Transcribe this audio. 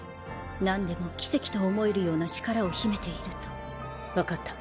なんでも奇跡と思えるような力を秘めていると分かった。